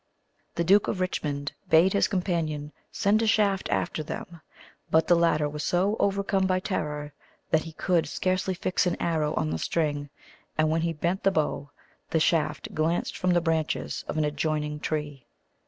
The Duke of Richmond bade his companion send a shaft after them; but the latter was so overcome by terror that he could scarcely fix an arrow on the string, and when he bent the bow, the shaft glanced from the branches of an adjoining tree.